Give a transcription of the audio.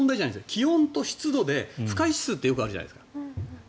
気温と湿度で不快指数ってよくあるじゃないですか。